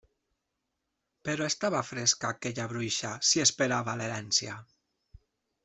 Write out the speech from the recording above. Però estava fresca aquella bruixa si esperava l'herència!